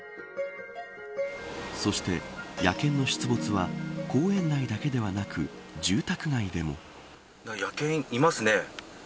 そして、野犬の出没は公園内だけではなく住宅街でも。